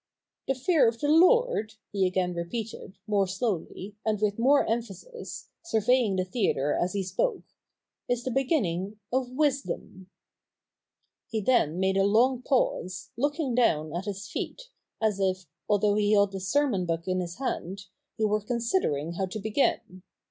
'" 'The fear of the Lord,' he again repeated, more slowly, and with more emphasis, surveying the theatre as he spoke, 'is the beginning of wisdom.' He then made a long pause, looking down at his feet, as if, although he held his sermon book in his hand, he were considering how to begin.